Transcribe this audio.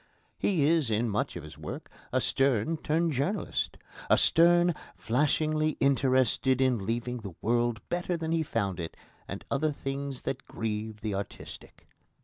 He is in much of his work a Sterne turned journalist a Sterne flashingly interested in leaving the world better than he found it and other things that grieve the artistic.